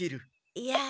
いや。